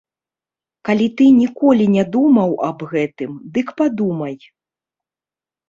Калі ты ніколі не думаў аб гэтым, дык падумай.